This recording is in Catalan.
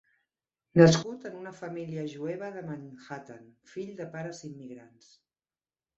Nascut en una família jueva de Manhattan, fill de pares immigrants.